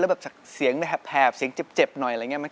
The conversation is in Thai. แล้วแบบเสียงแผบเสียงเจ็บหน่อยอะไรอย่างนี้